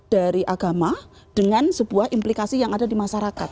dari agama dengan sebuah implikasi yang ada di masyarakat